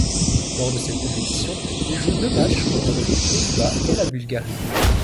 Lors de cette compétition, il joue deux matchs, contre les Pays-Bas et la Bulgarie.